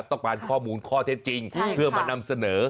ต้องการข้อมูลข้อเท็จจริงเพื่อมานำเสนอ